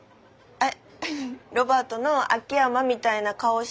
えっ？